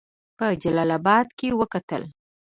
په جلا آباد کې وکتل.